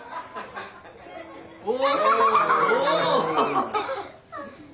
・お！